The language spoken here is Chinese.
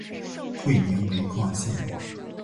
会宁煤矿线